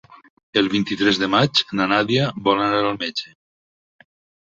El vint-i-tres de maig na Nàdia vol anar al metge.